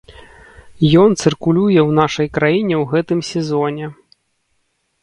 Ён цыркулюе ў нашай краіне ў гэтым сезоне.